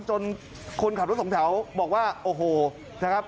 คนขับรถสองแถวบอกว่าโอ้โหนะครับ